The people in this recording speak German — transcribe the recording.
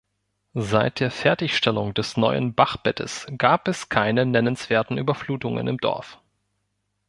Seit der Fertigstellung des neuen Bachbettes gab es keine nennenswerten Überflutungen im Dorf.